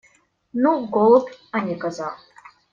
Ну, голубь, а не коза.